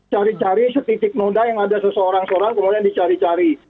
cari cari setitik noda yang ada seseorang seorang kemudian dicari cari